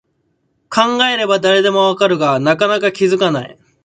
考えれば誰でもわかるが、なかなか気づかない